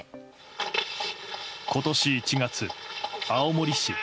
今年１月、青森市。